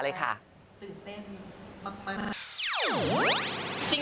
ตื่นเต้นมาก